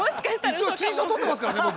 一応金賞取ってますからね僕。